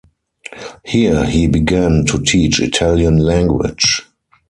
Here he began to teach Italian Language.